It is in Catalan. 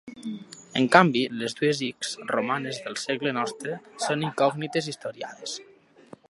En canvi, les dues ics romanes del segle nostre són incògnites historiades.